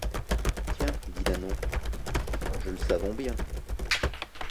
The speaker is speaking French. Tiens, dit Nanon, je le savons bien !